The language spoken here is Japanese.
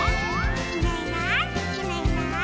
「いないいないいないいない」